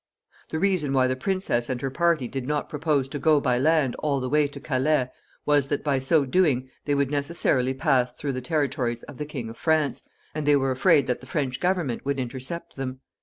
The reason why the princess and her party did not propose to go by land all the way to Calais was that, by so doing, they would necessarily pass through the territories of the King of France, and they were afraid that the French government would intercept them.